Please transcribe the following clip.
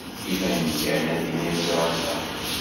Iban kan ad ilin ẓran-aɣ.